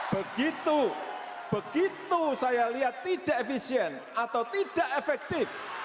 begitu begitu saya lihat tidak efisien atau tidak efektif